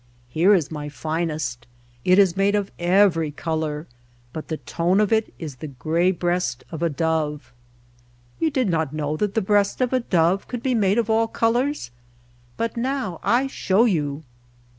Here is my finest. It is made of every color, but the tone of it is the gray breast of a dove. You did not know that the breast of a dove could be made of all colors, but now I show you.